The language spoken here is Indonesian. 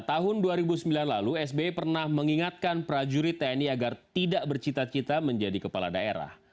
tahun dua ribu sembilan lalu sbi pernah mengingatkan prajurit tni agar tidak bercita cita menjadi kepala daerah